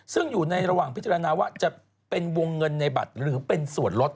ซึ่งอยู่ในระหว่างพิจารณาว่าจะเป็นวงเงินในบัตรหรือเป็นส่วนลด